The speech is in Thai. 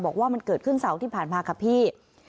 บอกว่ามันเกิดขึ้นเสาร์ที่ผ่านมาค่ะพี่